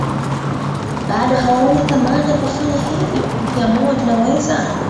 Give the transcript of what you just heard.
Bado hawaoni thamani ya kufanya hivi ila tukiamua tunaweza